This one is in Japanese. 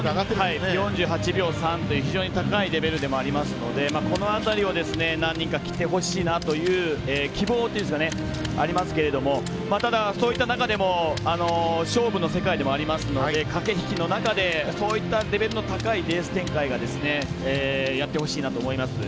４８秒３という非常に高いレベルでもありますのでこの辺りを何人か切ってほしいなという希望っていうか、ありますけどただ、そういった中でも勝負の世界でもありますので駆け引きの中で、そういったレベルの高いレース展開をやってほしいなと思います。